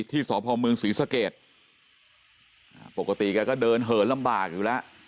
ที่สพเมืองศรีสเกตปกติแกก็เดินเหินลำบากอยู่แล้ว